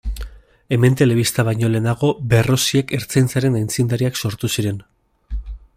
Hemen telebista baino lehenago Berroziak Ertzaintzaren aitzindariak sortu ziren.